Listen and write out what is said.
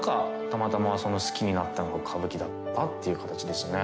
たまたま好きになったのが歌舞伎だったという形ですね。